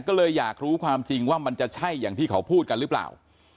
ก็เลยอยากรู้ความจริงว่ามันจะใช่อย่างที่เขาพูดกันหรือเปล่า